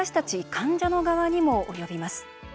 患者の側にも及びます。